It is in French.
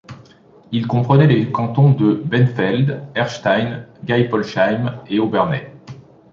Il comprenait les cantons de Benfeld, Erstein, Geispolsheim et Obernai.